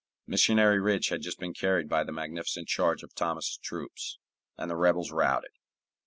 Missionary Ridge has just been carried by the magnificent charge of Thomas's troops, and the rebels routed.